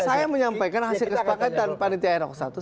saya menyampaikan hasil kesepakatan di panitia eroksatu